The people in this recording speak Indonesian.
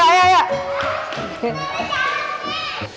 nenek jangan nangis